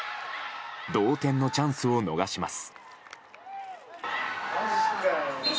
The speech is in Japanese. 同点のチャンスを逃します。